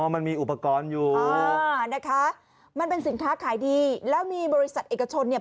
มันมีอุปกรณ์อยู่เออนะคะมันเป็นสินค้าขายดีแล้วมีบริษัทเอกชนเนี่ย